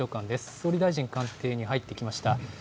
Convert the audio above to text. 総理大臣官邸に入ってきました。